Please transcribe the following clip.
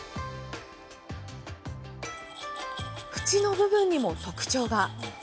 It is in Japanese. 縁の部分にも特徴が。